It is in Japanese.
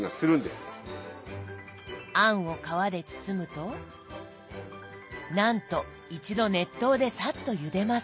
餡を皮で包むとなんと一度熱湯でさっとゆでます。